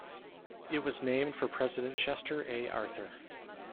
It was named for President Chester A. Arthur.